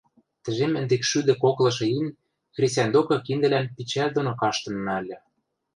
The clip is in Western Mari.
Тӹжем ӹндекшшӱдӹ коклышы ин хресӓнь докы киндӹлӓн пичӓл доно каштынна ыльы